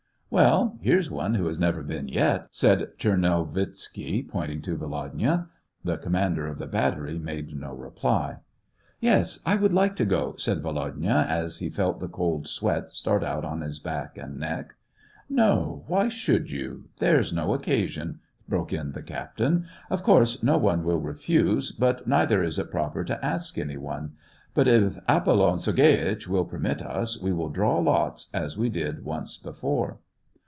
" Well, here's one who has never been yet," said Tchernovitzky, pointing to Volodya. The commander of the battery made no reply. 220 SEVASTOPOL IN AUGUST. "Yes, I should like to go," said Volodya, as he felt the cold sweat start out on his back and neck. " No ; why should you ? There's no occasion !" broke in the captain. *' Of course, no one will refuse, but neither is it proper to ask any one ; but if Apollon Sergieitch will permit us, we will draw lots, as we did once before."